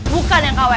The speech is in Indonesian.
bukan yang kawai